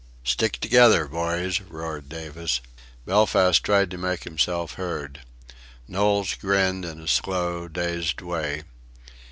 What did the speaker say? "Stick together, boys," roared Davis. Belfast tried to make himself heard. Knowles grinned in a slow, dazed way.